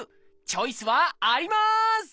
チョイスはあります！